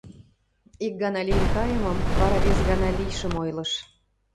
Ик гана лийын кайымым, вара вес гана лийшым ойлыш.